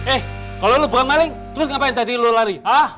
eh kalau lo bukan malik terus ngapain tadi lo lari ah